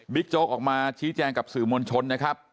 โจ๊กออกมาชี้แจงกับสื่อมวลชนนะครับ